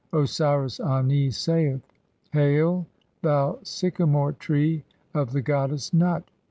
Osiris Ani saith :— "Hail, thou sycamore tree of the goddess Nut!